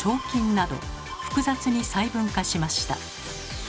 筋など複雑に細分化しました。